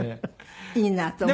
いいなと思って。